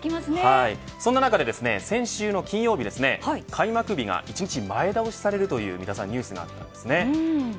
そんな中、先週の金曜日開幕日が１日前倒しされるというニュースがあったんです。